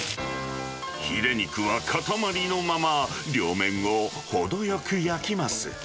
ひれ肉は塊のまま、両面を程よく焼きます。